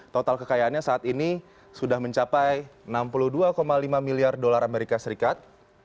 total kekayaannya saat ini sudah mencapai enam puluh dua lima miliar dolar amerika serikat